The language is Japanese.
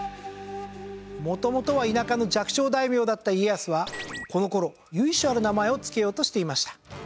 元々は田舎の弱小大名だった家康はこの頃由緒ある名前を付けようとしていました。